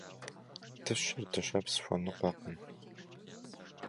Дыщэр дыщэпс хуэныкъуэкъым.